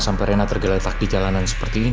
sampai rena tergeletak di jalanan seperti ini